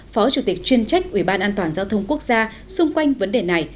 phó chủ tịch chuyên trách ủy ban an toàn giao thông quốc gia xung quanh vấn đề này